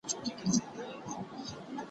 زه تر ده سم زوروري لوبي کړلای